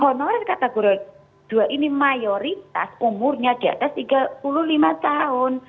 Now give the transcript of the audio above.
honorer kategori dua ini mayoritas umurnya di atas tiga puluh lima tahun